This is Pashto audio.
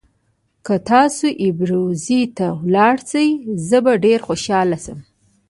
که تاسي ابروزي ته ولاړ شئ زه به ډېر خوشاله شم.